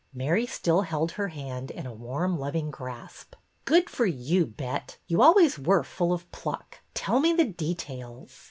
Mary still held her hand in a warm, loving grasp. ''Good for you. Bet! You always were full of pluck. Tell me the details."